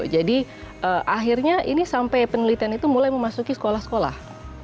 jadi akhirnya ini sampai penelitian itu mulai memasuki sekolah sekolah